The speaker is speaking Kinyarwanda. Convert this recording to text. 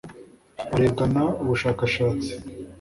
barebwa n ubushakashatsi